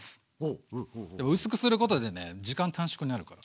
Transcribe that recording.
薄くすることでね時間短縮になるから。